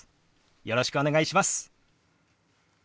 よろしくお願いします。